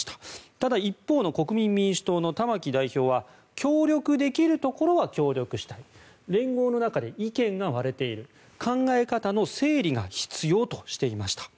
ただ、一方の国民民主党の玉木代表は協力できるところは協力したい連合の中で意見が割れている考え方の整理が必要としていました。